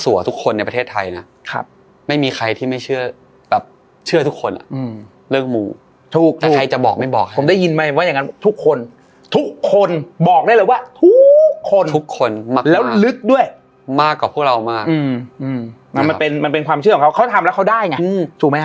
มันเป็นความเชื่อของเขาเขาทำแล้วเขาได้ไง